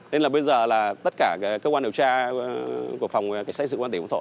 nên là bây giờ là tất cả các cơ quan điều tra của phòng cảnh sát dự quan tỉnh phú thọ